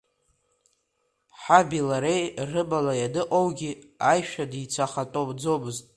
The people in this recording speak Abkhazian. Ҳаби лареи рымала ианыҟоугьы аишәа дицахатәаӡомызт.